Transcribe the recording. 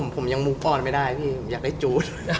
ผมยังมุกป้อนไม่ได้พี่ผมอยากได้จู๊ด